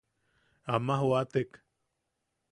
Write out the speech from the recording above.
Ama joʼatek.